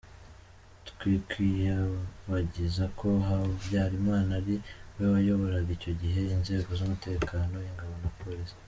Twikwiyibagiza ko Habyalimana ali we wayoboraga icyo gihe inzego z’umutekano: ingabo na police.